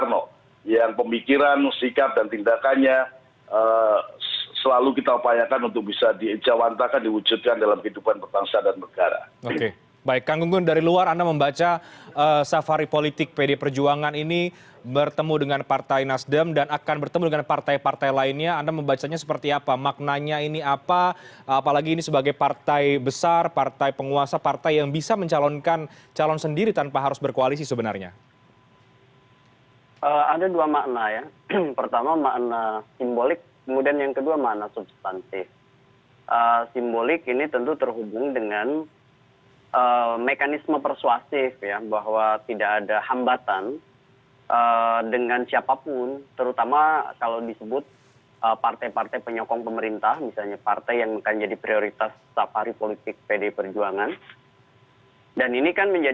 walaupun sudah secara kalkulatif di atas kertas bisa mengusung paket pasangan